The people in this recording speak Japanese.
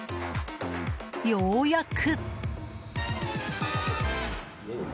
ようやく。